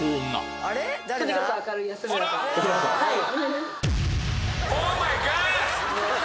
はい。